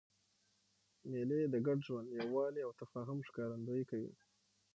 مېلې د ګډ ژوند، یووالي او تفاهم ښکارندویي کوي.